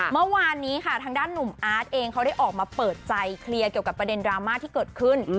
เมื่อวานนี้ค่ะทางด้านหนุ่มอาร์ตเองเขาได้ออกมาเปิดใจเคลียร์เกี่ยวกับประเด็นดราม่าที่เกิดขึ้น